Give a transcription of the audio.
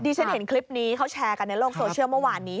ที่ฉันเห็นคลิปนี้เขาแชร์กันในโลกโซเชียลเมื่อวานนี้